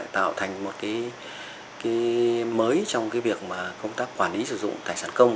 tạo thành một cái mới trong việc công tác quản lý sử dụng tài sản công